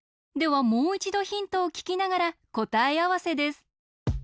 ではもういちどヒントをききながらこたえあわせです。